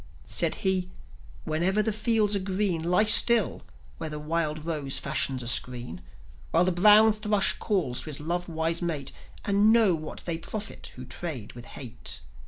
Said he: "Whenever the fields are green, Lie still, where the wild rose fashions a screen, While the brown thrush calls to his love wise mate, And know what they profit who trade with Hate."